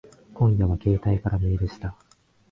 今夜は携帯からメールした。